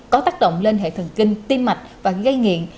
có tác động lên hệ thần kinh tim mạch và gây nghiện